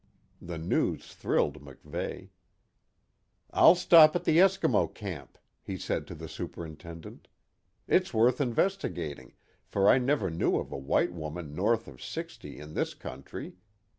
The news thrilled MacVeigh. "I'll stop at the Eskimo camp," he said to the superintendent. "It's worth investigating, for I never knew of a white woman north of sixty in this country.